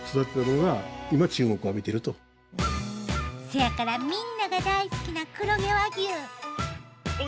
せやからみんなが大好きな黒毛和牛。